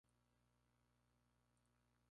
La aparición de los zombis pone en peligro el lugar.